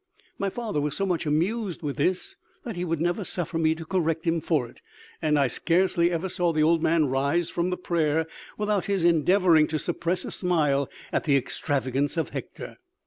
My father was so much amused with this, that he would never suffer me to correct him for it, and I scarcely ever saw the old man rise from the prayer without his endeavouring to suppress a smile at the extravagance of Hector.